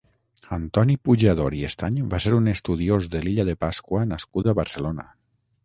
Antoni Pujador i Estany va ser un estudiós de l'illa de Pasqua nascut a Barcelona.